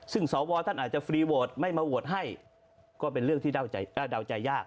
ซึ่งสวท่านอาจจะฟรีโวทไม่มาโหวตให้ก็เป็นเรื่องที่เดาใจยาก